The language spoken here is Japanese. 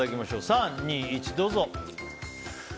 ３、２、１、どうぞ！